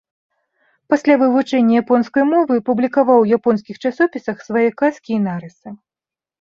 Пасля вывучэння японскай мовы, публікаваў у японскіх часопісах свае казкі і нарысы.